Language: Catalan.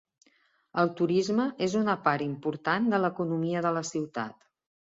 El turisme és una part important de l'economia de la ciutat.